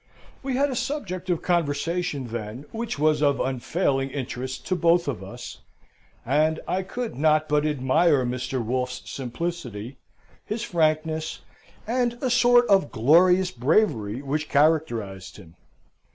We had a subject of conversation then which was of unfailing interest to both of us, and I could not but admire Mr. Wolfe's simplicity, his frankness, and a sort of glorious bravery which characterised him.